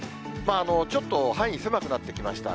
ちょっと範囲狭くなってきました。